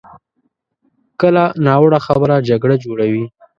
کله ناوړه خبره جګړه جوړوي.